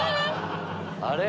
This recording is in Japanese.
あれ？